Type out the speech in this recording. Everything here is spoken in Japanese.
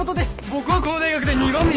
僕はこの大学で２番目に。